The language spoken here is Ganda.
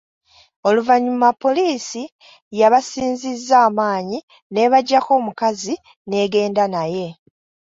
Oluvannyuma poliisi yabasinzizza amaanyi n’ebaggyako omukazi n’egenda naye.